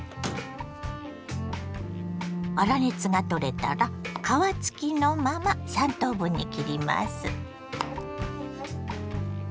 粗熱が取れたら皮付きのまま３等分に切ります。